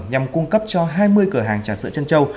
nhằm cung cấp cho hai mươi cửa hàng trà sữa chân châu